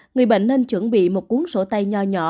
người bệnh nên chuẩn bị một cuốn sổ tay nhỏ nhỏ